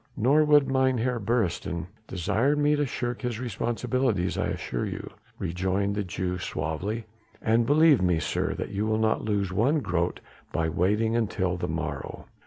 "Nor would Mynheer Beresteyn desire me to shirk his responsibilities, I assure you," rejoined the Jew suavely, "and believe me, sir, that you will not lose one grote by waiting until the morrow.